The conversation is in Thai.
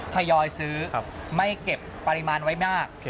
ทยอยซื้อไม่เก็บปริมาณไว้มาก